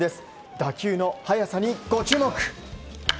打球の速さにご注目。